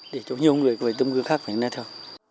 để cho nhiều người với tâm hương khác phải nghe theo